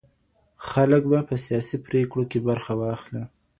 خلګ به په سياسي پرېکړو کي برخه واخلي.